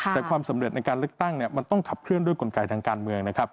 แต่ความสำเร็จในการเลือกตั้งมันต้องขับเคลื่อนด้วยกลไกทางการเมืองนะครับ